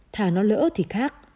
thà nó lỡ thì khác